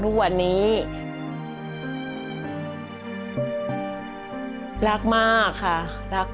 ร้องได้ให้ร้าง